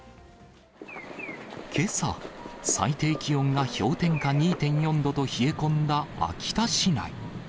けさ、最低気温が氷点下２．４度と冷え込んだ秋田市内。